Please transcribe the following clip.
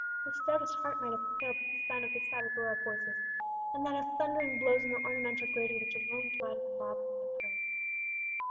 The stoutest heart might have quailed at the sound of the savage roar of voices, and that of thundering blows on the ornamental grating which alone divided the mob from their prey.